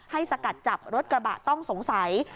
ให้สกัดจับรถกระเป๋าต้องสงสัย